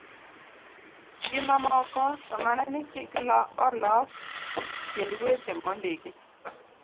gi mamoko, to mana ni kik olok tiend weche mondiki.